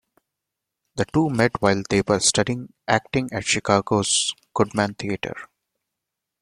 The two met while they were studying acting at Chicago's Goodman Theatre.